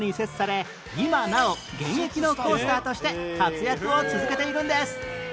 今なお現役のコースターとして活躍を続けているんです